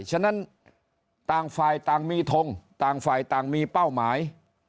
ฉะนั้นต่างฝ่ายต่างมีทงต่างฝ่ายต่างมีเป้าหมาย